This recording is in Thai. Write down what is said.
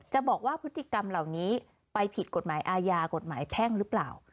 บอกว่าพฤติกรรมเหล่านี้ไปผิดกฎหมายอาญากฎหมายแพ่งหรือเปล่า